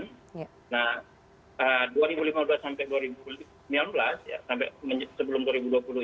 sembilan belas ya sampai sebelum